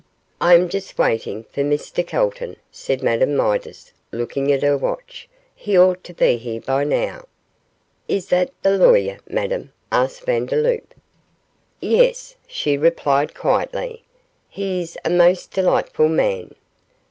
'I am just waiting for Mr Calton,' said Madame Midas, looking at her watch; 'he ought to be here by now.' 'Is that the lawyer, Madame?' asked Vandeloup. 'Yes,' she replied, quietly, 'he is a most delightful man.